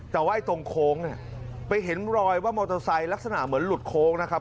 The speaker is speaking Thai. แต่ว่าตรงโค้งเนี่ยไปเห็นรอยว่ามอเตอร์ไซค์ลักษณะเหมือนหลุดโค้งนะครับ